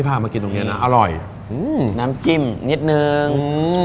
สมคำจริง